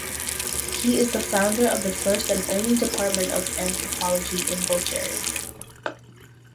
He is the founder of the first and only department of Anthropology in Bulgaria.